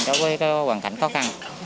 đối với hoàn cảnh khó khăn